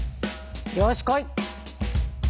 よしこい！